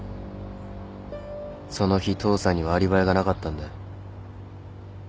その日父さんにはアリバイがなかったんだよ。